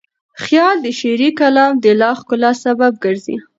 خیال د شعري کلام د لا ښکلا سبب ګرځي.